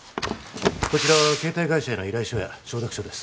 こちらは携帯会社への依頼書や承諾書です